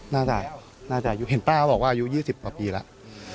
น่าจะน่าจะอายุเห็นป้าบอกว่าอายุ๒๐กว่าปีแล้ว